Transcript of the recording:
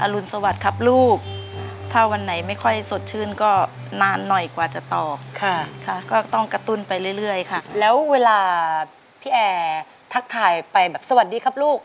อรุณสวัสดิ์ครับลูก